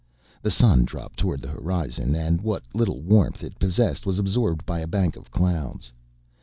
The sun dropped towards the horizon and what little warmth it possessed was absorbed by a bank of clouds.